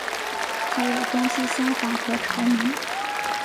还有东西厢房和朝门。